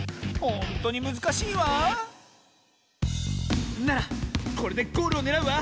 ほんとにむずかしいわあならこれでゴールをねらうわ！